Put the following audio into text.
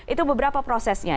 itu beberapa prosesnya